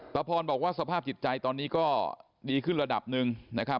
พรบอกว่าสภาพจิตใจตอนนี้ก็ดีขึ้นระดับหนึ่งนะครับ